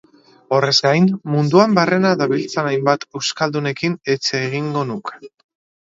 Horrez gain, munduan barrena dabiltzan hainbat euskaldunekin hitz egingo dute.